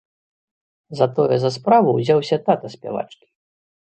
Затое за справу ўзяўся тата спявачкі.